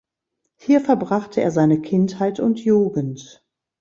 Hier verbrachte er seine Kindheit und Jugend.